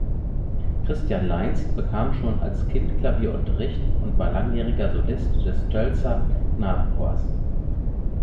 Christian Leins bekam schon als Kind Klavierunterricht und war langjähriger Solist des Tölzer Knabenchors.